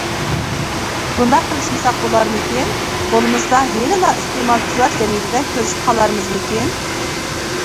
بۇنداق قىلىشمىساق بولارمىكىن؟ بولمىسا ھېلىلا ئىستېمالچىلار جەمئىيىتىدە كۆرۈشۈپ قالارمىزمىكىن!